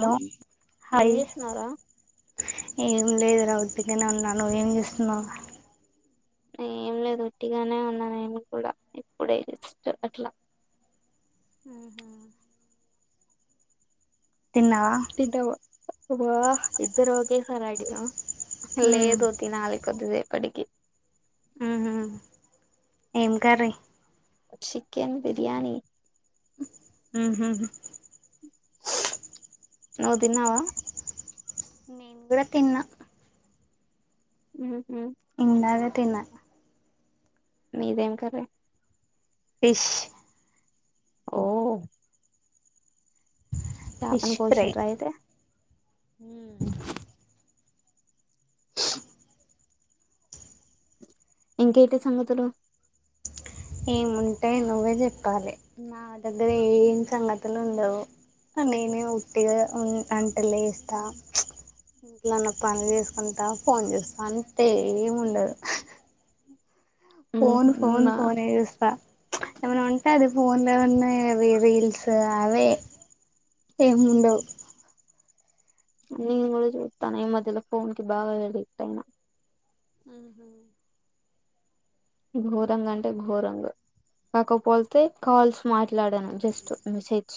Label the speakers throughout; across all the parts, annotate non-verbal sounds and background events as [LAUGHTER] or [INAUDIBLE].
Speaker 1: hello
Speaker 2: ఏం
Speaker 1: hi
Speaker 2: చేస్తున్నారా
Speaker 1: ఎ లేదురా ఉత్తిగానే ఉన్నా నువ్వు ఏం చేస్తున్నావు
Speaker 2: ఏం లేదు ఉట్టిగానే ఉన్నా నేను కూడా ఇప్పుడె జస్ట్ అట్లా
Speaker 1: అహా తిన్నవా
Speaker 2: తింటావా వా ఇద్దరు ఒకేసారి అడిగావా
Speaker 1: ఉమ్ ఉమ్ ఎం కర్రీ
Speaker 2: చికెన్ బిర్యానీ
Speaker 1: ఉ హు
Speaker 2: నువ్వు తిన్నావా
Speaker 1: నేను కూడా తిన్నా
Speaker 2: ఊహ్మ్మ్
Speaker 1: ఇందాకే తిన్న
Speaker 2: మీదేం కర్రీ
Speaker 1: ఫిష్
Speaker 2: ఓ చాపని కోశిండ్రా అయితే
Speaker 1: మ్
Speaker 2: ఇంకేటి సంగతులు
Speaker 1: ఏముంటయి నువ్వే చెప్పాలి నా దగ్గర ఏమి సంగతులు ఉండవు హ నేనే ఉట్టిగా ఉం అంటలేస్తా ఇంట్లన్న పని చేసుకుంటా ఫోన్ చేస్తా అంతే ఎం ఉండదు ఫోన్
Speaker 2: ఉహు
Speaker 1: ఫోన్
Speaker 2: నా
Speaker 1: ఫోనే జుస్తా ఏమన్న ఉంటే అది ఫోన్లో ఎం ఉన్నాయి అవి రీల్స్ అవే ఏం ఉండవు
Speaker 2: నేన్ కూడా చూత్తన్న ఈ మధ్యలో ఫోన్ కి బాగా ఎడిక్ట్ అయినా
Speaker 1: ఆహా
Speaker 2: గోరంగా అంటే గోరంగా కాకపోతే కాల్స్ మాట్లాడాను జస్ట్ మెసేజ్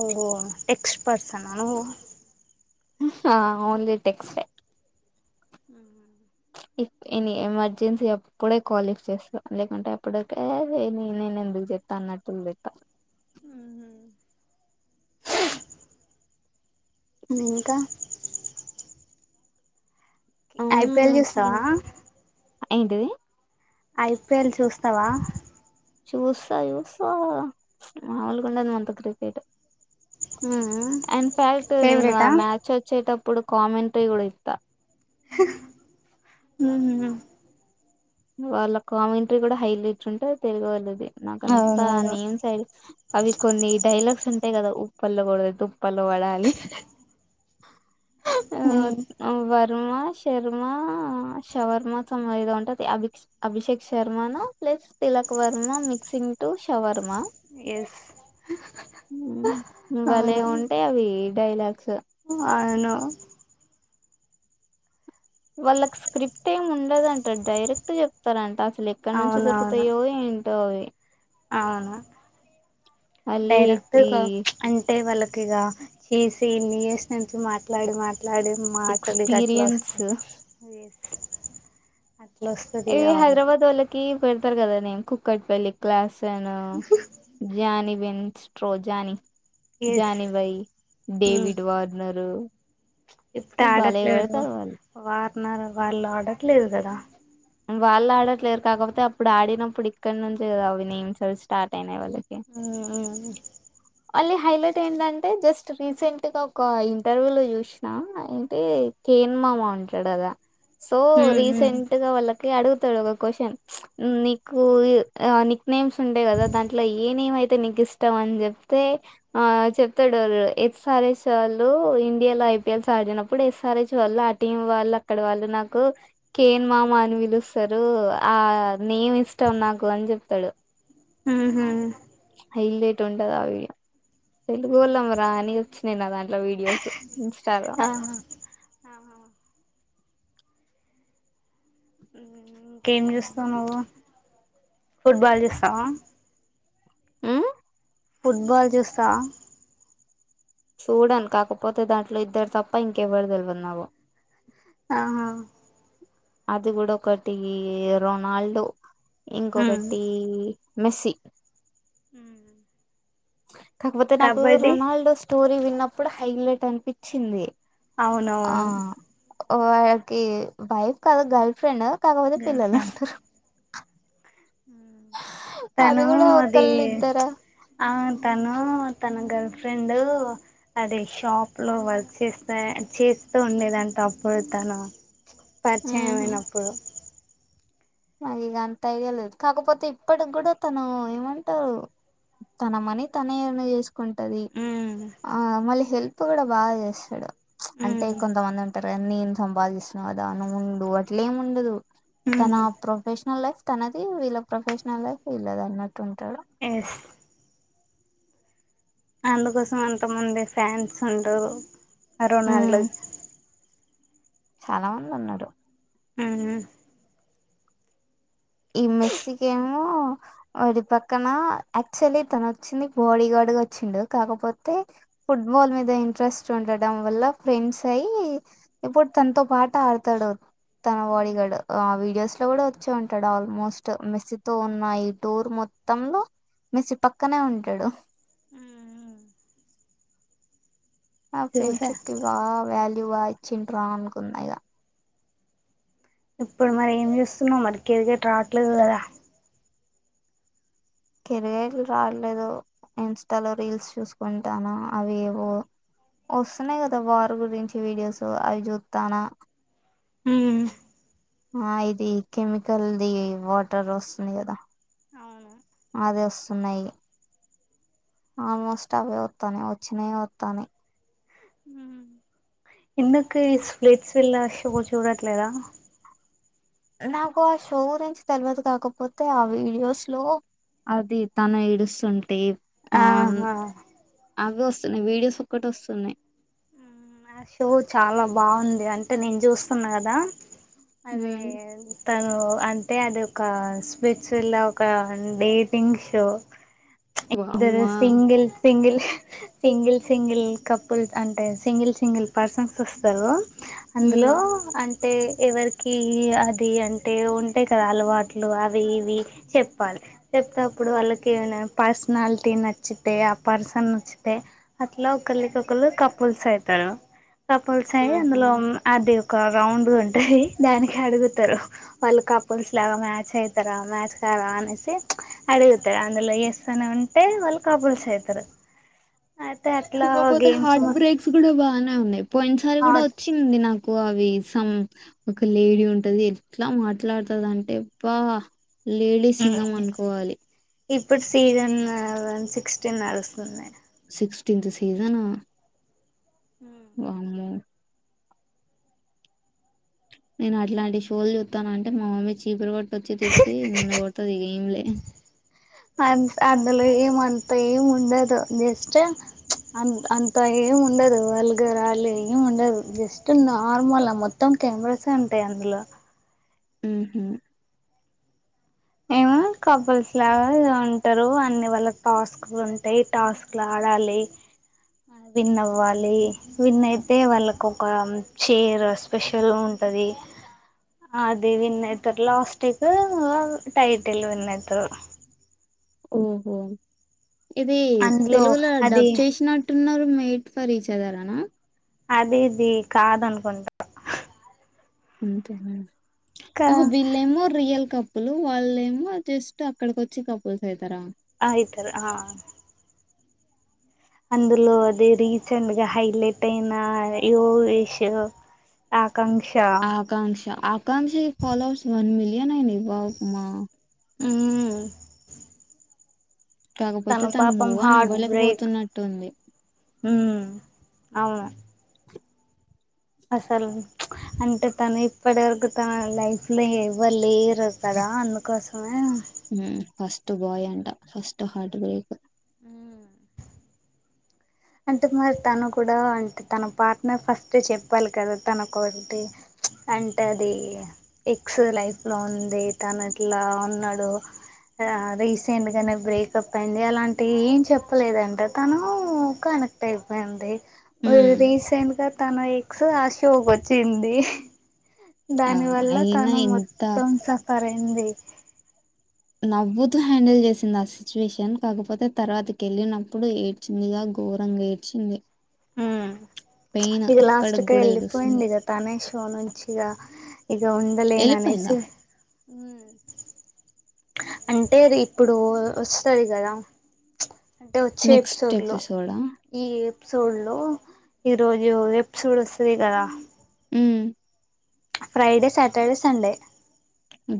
Speaker 1: ఓహో టెక్స్ట్ పర్సనా నువ్వు
Speaker 2: ఆ only text a if any emergency అప్పుడే కాల్ లీఫ్ చేస్తా లేకంటే అప్పటికే అది నేన్ ఎందుకు చేతన్నట్టుల్ లెక్క
Speaker 1: [INAUDIBLE] ఇంకా
Speaker 2: అవును
Speaker 1: ఐపిఎల్ చూస్తావా
Speaker 2: ఏంటిది
Speaker 1: ఐపిఎల్ చూస్తావా
Speaker 2: చూస్తా చూస్తా మాములుగా ఉండదు మనతో క్రికెట్
Speaker 1: ఉహు
Speaker 2: ఎన్ ఫ్యాక్ట్ నేను ఆ
Speaker 1: ఫేవరెటా
Speaker 2: మ్యాచ్ వచ్చేటప్పుడు కామెంట్రీ కూడా ఇత్తా
Speaker 1: ఉహు
Speaker 2: వాళ్ళ కామెంట్రీ కూడా హైలట్ ఉంటది తెలుగోళ్ళది నాకంతా
Speaker 1: అవునవును
Speaker 2: నేమ్ సైడ్ అవి కొన్ని డైలాగ్స్ ఉంటాయి కదా ఉప్పల్లో గొడితే తుప్పల్లో పడాలి
Speaker 1: ఉమ్
Speaker 2: ఆ వర్మ శర్మ షవర్మ సం ఏదో అంటర్ అబిక్స్ అభిషేక్ శర్మను plus Tilak Varma mixing to shawarma
Speaker 1: yes
Speaker 2: మ్ బలే
Speaker 1: అవును
Speaker 2: ఉంటయి అవి డైలాగ్స్
Speaker 1: అవును
Speaker 2: వాళ్ళకి స్క్రిప్ట్ ఏమి ఉండదంట డైరెక్ట్ చెప్తారంట అసలుక్ ఇక్కడ నుంచి
Speaker 1: అవునవును
Speaker 2: దొరుకుతాయో ఏంటో అవి మళ్ళీ
Speaker 1: డైరెక్ట్
Speaker 2: ఈ
Speaker 1: గా అంటే వాళ్ళకి ఇగ చేసి ఇన్ని ఇయర్స్ నుంచి మాట్లాడి మాట్ ట్లాడి మాటలు గట్లా
Speaker 2: ఎక్స్పీరియన్స్
Speaker 1: వస్తయ్
Speaker 2: ఇవి
Speaker 1: వాళ్ళకు
Speaker 2: హైదరాబాద్ ఒళ్ళకి పెడతారు కదా నే కుక్కట్ పల్లి క్లాస్ తను జ్యానిబెన్ స్ట్రో జానీ
Speaker 1: ఎస్
Speaker 2: జానిబై
Speaker 1: ఉమ్
Speaker 2: డేవిడ్ వాడ్నరు
Speaker 1: ఇప్పుడు ఆడట్లేడు
Speaker 2: వాళ్ళు
Speaker 1: వార్నర్ వాళ్ళ ఆడట్లేదు కదా
Speaker 2: వాళ్ళ ఆడట్లేరు కాకపోతే అప్పుడు ఆడినప్పుడు ఇక్కడి నుంచే కదా అవి నేమ్స్ అవి స్టార్ట్ అయినాయి వాళ్ళకి
Speaker 1: ఉమ్మ్మ్
Speaker 2: మళ్ళీ హైలైట్ ఏంటంటే జస్ట్ రీసెంట్ గా ఒక ఇంటర్వ్యూ లో చూసినా అయితే కేన్ మామ ఉంటాడు కదా సో రీసెంట్ గా వాళ్ళ అడుగుతడు ఒక క్వశ్న్ నీకు అ నిక్ నేమ్స్ ఉంటాయి కదా దాంట్లో ఏ నేమ్ అయితే నీకు ఇష్టం అని చెప్తే ఆ చెప్తడు ఎస్ ఆర్ ఎస్ ఓళ్ళు ఇండియా లొ ఐపీఎల్స్ ఆడినప్పుడు ఎస్ ఆర్ హెచ్ వాళ్ళు ఆ టీమ్ వాళ్ళు అక్కడ వాళ్ళు నాకు కేన్ మామ అని పిలు లుస్తరు ఆ నేమిష్టం నాకు అని చెప్తడు
Speaker 1: ఉహ్మ్
Speaker 2: హైలెట్ ఉంటదావీడియో ఎందుగొల్లో మరాని వచ్చినయి నా దాంట్లో వీడియోస్ ఇంస్టాలో
Speaker 1: అవును ఉమ్ ఇంకేం చూస్తనవు ఫుట్బాల్ చూస్తావ
Speaker 2: ఉమ్
Speaker 1: ఫుట్బాల్ చూస్తవ
Speaker 2: సుడన్ కాకపోతే దాంట్లో ఇద్దరు తప్ప ఇంకెవ్వరు తెలివదు నాగు
Speaker 1: ఆహా
Speaker 2: అది గుడ ఒకటీ రొనాల్డో
Speaker 1: ఉమ్
Speaker 2: ఇంకొకటీ మెస్సి
Speaker 1: ఉమ్
Speaker 2: కాకపోతే నాకు రొనాల్డో స్టోరీ విన్నప్పుడు హైలైట్ అనిపిచ్చిం ది
Speaker 1: అవునవును
Speaker 2: ఓ వాకి వైఫ్ కాదు గర్ల్ ఫ్రెండ్ కాకపోతే
Speaker 1: గర్ల్
Speaker 2: పిల్లలు
Speaker 1: ఫ్రెండ్
Speaker 2: ఉంటరు అది
Speaker 1: తను
Speaker 2: కూడా
Speaker 1: ది
Speaker 2: ఒకళ్ళు ఇద్దరా
Speaker 1: ఆ తను తన గర్ల్ ఫ్రెండు అది షాప్ లో వర్క్ చేస్తే చేస్ స్తు ఉండేదంట అప్పుడు తను పరిచయం అయినప్పుడు
Speaker 2: నాగ్ ఇగ అంతా అఇడియా లేదు కాకపోతే ఇప్పడ్డికి కూడా తను ఏమంటరు తన మనీ తనే ఏర్న్ చేసుకుంటది
Speaker 1: ఉమ్
Speaker 2: ఆ మళ్ళీ హెల్ప్ కూడా బాగా చేస్తడు అంటే కొంతమంది ఉంటారుగా నేను సంపాదిస్ నాదా నువు ఉండు అట్లేం ఉండదు తన
Speaker 1: ఉమ్
Speaker 2: ప్రొఫెషనల్ లైఫ్ తనది వీళ్ళ ప్రొఫెషనల్ లైఫ్ వీళ్ళదన్నట్టు ఉంటడు
Speaker 1: ఎస్ అందుకోసం అంత మంది ఫ్యాన్స్ ఉంటురు
Speaker 2: ఉమ్
Speaker 1: రొనాల్డోకి
Speaker 2: చాలా మంది ఉన్నరు
Speaker 1: ఉమ్
Speaker 2: ఈ మెస్సికేమో వడి పక్కన యాక్చువల్లీ తను వచ్చింది బాడీ గార్డ్ డుగొచ్చిండు కాకపోతే ఫుట్బాల్ మీద ఇంట్రెస్ట్ ఉండటం వల్ల ఫ్రెండ్స్ అయి ఇప్పుడు తనతో పాటు ఆడతడు తన బాడీగాడు ఆ వీడియోస్లో కూడా వచ్చేఉం టడుఆల్మోస్ట్ మెస్సీతో ఉన్న ఈ టూర్ మొత్తంలో మెస్సి పక్కనే ఉంటడు ఆ
Speaker 1: చూసా
Speaker 2: ఫ్రెండ్షిప్ కి బాగా వాల్యూ బాగా ఇచ్చిండ్రా అనుకున్నా ఇగ
Speaker 1: ఇప్పుడు మరేం చేస్తున్నవు మరి క్రికెట్ రావట్లేదు గదా
Speaker 2: క్రికెట్ట్లు రాట్లేదు ఇంస్టాలో రీల్స్ చూసుకుంటాన్న అవి ఏవో వస్తున్నాయ్ కదా వార్ గురించి వీడియోస్ అవి చూత్తాన్నా
Speaker 1: ఉమ్
Speaker 2: ఆ ఇది కెమికల్ది వాటర్ వస్తుంది కదా
Speaker 1: అవును
Speaker 2: అదే వస్తున్నయి ఆల్మోస్ట్ అవే వత్తాన్నాయి వచ్చినాయే వత్తాన్నయి
Speaker 1: ఎందుకు ఈ స్లేట్స్ విల్ల షో చూడట్లేదా
Speaker 2: నాకు ఆ షో గురించి తెలువదు కాకపోతే ఆ వీడియోస్ లో అది తను ఏడుస్తుంటే
Speaker 1: ఆహా
Speaker 2: కొన్ని వీడియోస్ ఒక్కటి వస్తున్నయ్
Speaker 1: నా షో చాలా బాగుంది అంటే నేను చూస్తున్న గదా అదే
Speaker 2: ఉమ్,
Speaker 1: ఎంతన అంటే అది ఒకా స్పిర్చు విల్ల ఒక డేటింగ్ షో ఇద్దరు
Speaker 2: వామ్మా
Speaker 1: single single single single couples అంటే సింగిల్ సింగిల్ పర్సన్స్ వస్తరు అందులో
Speaker 2: ఉమ్,
Speaker 1: అం టే ఎవరికి అది అంటే ఉంటయి కదా అలవాట్లు అవి ఇవి చెప్పాలి చెప్తేప్పుడు వాళ్ళకేమైనా పాస్ స్నాలిటీ నచ్చితే ఆ పర్సన్ నచ్చితే అట్ల ఒకలికి ఒకరు కపుల్స్ అయితరు కపుల్సయి
Speaker 2: ఆహా
Speaker 1: అందులో మ్ అది ఒక రౌండు ఉంటాది దానికి అడుగుతరు వాళ్ళు కపుల్స్ లాగా మ్యాచ్ అయితర మ్యాచ్ కా రా అనేసి అడుగుత అందులో ఎస్ సని ఉంటే వాళ్లు కపుల్సు ఐతరు
Speaker 2: కాకపోతే హార్ట్ బ్రేక్స్ కూడా బాగానే ఉన్నాయి పోయినసారి కూడా
Speaker 1: హాట్
Speaker 2: వచ్చింది నా నాకు అవి సం ఒక లేడీ ఉంటది ఎట్లా మాట్లాడతది అంటే అబ్బ లేడీ సింగం అనుకోవాలి
Speaker 1: ఇప్పుడు సీజన్ వన్ సిక్స్టీ నడుస్తుంది
Speaker 2: సిక్స్టీీన్త్ సీజన్ ఆ వామ్మో నేను అట్లాంటి షోలు చూత్తాన అంటే మా మమ్మీ చీపరి కట్టోచ్చి తిప్పి నన్ను కొ తది ఇగా ఏంలే
Speaker 1: అం అందులో ఏం అంత ఏం ఉండదు జస్టు అం అంత ఏం ఉండదు వల్గరాళ్ళు ఏమి ఉండదు జస్ట్ నార్మల మొత్తం కెమెరాసే ఉంటాయ్ అందులో
Speaker 2: మ్ హు
Speaker 1: ఏము కపుల్స్ లాగ ఉంటారు అన్ని వల్ల టాస్క్లు ఉంటాయి టాస్క్ లు ఆడాలి విన్ అవ్వాలి విన్ అయితే వాళ్ళకు ఒక చైర్ స్పెషల్ ఉంట ది అదే విన్ అయితరు లాస్టుకూ వ టైటిల్ విన్నయితరు
Speaker 2: మ్ హు ఇది
Speaker 1: అందులో
Speaker 2: తెలుగులో
Speaker 1: అది
Speaker 2: డబ్ చేసినట్టున్నరు మే మేట్ ఫర్ ఇచ్ ఆథెర్ అనా
Speaker 1: అదిది కాదనుకుంటా కా
Speaker 2: ఓహో విళ్ళేమొ రియల్ కపు లు వాళ్లేమో జస్ట్ అక్కడికి వచ్చి కపుల్స్ అయితర
Speaker 1: అయితరు ఆ అందులో అది రీసెంట్ గా హైలైట్ అయిన యో విషూ ఆ
Speaker 2: ఆకాంక్ష ఆకాంక్ష ఇ ఫాలోవర్స్ వన్ మిలియన్ అయినయ్ వామ్మ
Speaker 1: మ్
Speaker 2: కాకపోతే
Speaker 1: తను పాపం
Speaker 2: మూవ్ ఆన్
Speaker 1: హార్ట్ బ్రేక్
Speaker 2: అవ్వలేకపోతున్నట్టుంది
Speaker 1: హు మ్ అవును అసల్ అంటే తను ఇప్పటివరకు తన లైఫ్లో ఎవ్వరులేరు కదా అందుకోసమే
Speaker 2: ఫస్ట్ బాయ్ అంటా ఫస్ట్ హార్ట్ బ్రేక్
Speaker 1: అంటే మరి తను కూడా అంటే తన పార్ట్నర్ ఫస్ట్ చెప్పాలి కదా తనకోటి అంటే అది ఎక్స్ లైఫ్ లో ఉంది తను అట్లా ఉన్నడు ఆ రీసెంట్ గానే బ్రేకప్ అయింది అలాంటి ఏం చెప్పలేదంట తనూ కనెక్ట్ అయిపోయింది
Speaker 2: ఉమ్
Speaker 1: రీసెంట్గా తన ఎక్స్ ఆ షోక్ వచ్చింది
Speaker 2: ఆ
Speaker 1: దాని వల్ల
Speaker 2: అయినా
Speaker 1: తను
Speaker 2: ఎంత
Speaker 1: మొత్తం సఫరైది
Speaker 2: నవ్వుతూ హ్యాండిల్ జెసింది ఆ సిచ్యువేషన్ కాకపోతే తర్వాతకెళ్ళినప్పుడు ఏడ్చిందిగా ఘోరంగా ఏడ్చింది పెయిన్
Speaker 1: ప్చ్ ఇగ లాస్ట్
Speaker 2: ఇప్పటికి
Speaker 1: కీ
Speaker 2: కూడా
Speaker 1: ఎళ్ళిపోయింది
Speaker 2: ఏడుస్తుంది
Speaker 1: ఇగా తనే షో నుంచి ఇగా ఇగ
Speaker 2: వెళ్ళిపోయిందా
Speaker 1: ఉండలేనానేసి హు అంటే అది ఇప్పుడు వొస్తది గదా ప్చ్ అంటే ఒచ్చే
Speaker 2: నెక్స్ట్
Speaker 1: ఎపిసోడ్ లో
Speaker 2: ఎపిసోడా
Speaker 1: ఈ ప్సోడ్ లో ఈ రోజు ఎపిసోడ్ వొస్తది గదా
Speaker 2: మ్మ్
Speaker 1: Friday Saturday Sunday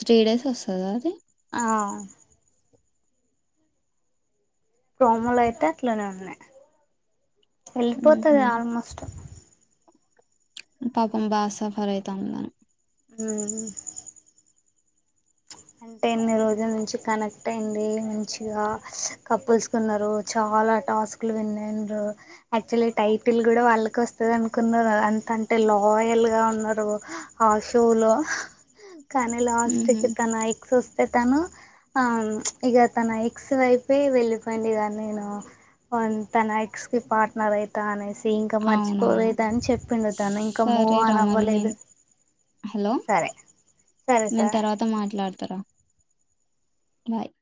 Speaker 2: three days ఒస్తదా అది
Speaker 1: ఆ ప్రోమోల్ అయితే అట్లనే ఉన్నాయ్ ఎల్పోతది
Speaker 2: ఉహు
Speaker 1: ఆల్మోస్ట్
Speaker 2: పాపం బా సఫర్ అయితంద్ అం
Speaker 1: మ్మ్ ప్చ్ అంటే ఎన్ని రోజుల నుంచి కనెక్ట్ అయింది మంచిగా కపుల్స్గున్నరు చాలా ఆ టాస్కుల్ విన్నయిండ్రు యాక్చువల్లీ టైటిల్ గూడ వాళ్ళకొస్తది అనుకున్నర్ అంతంటే లోప్ లోయల్ గా ఉన్నరు ఆ షోలో హా కానీ లాస్ట్
Speaker 2: ఉహు
Speaker 1: కీ సుస్తేతను ఆ ప్చ్ ఇగ తన ఎక్స్ వైఫే వెళ్ళిపోయిండు ఇగా నేను ఒన్ తన ఎక్స్ కి పార్ట్నర్ అయితా అనేస్ తీ ఇంకా
Speaker 2: అవునవును
Speaker 1: మర్చిపోలేదన్ చెప్పిండు తను ఇంకా మూవ్
Speaker 2: సరే రా
Speaker 1: ఆన్
Speaker 2: మరి
Speaker 1: అవ్వలేదు
Speaker 2: నేను హలో
Speaker 1: సరే సరే
Speaker 2: నేన్
Speaker 1: సరే
Speaker 2: తర్వాత మాట్లాడుతరా బాయ్